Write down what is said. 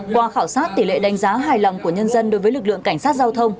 qua khảo sát tỷ lệ đánh giá hài lòng của nhân dân đối với lực lượng cảnh sát giao thông